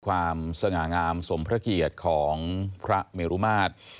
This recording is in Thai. ความสง่างามสมพระเกียรติของพระเมรุมาตร